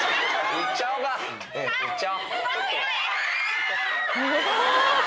行っちゃおうキャ！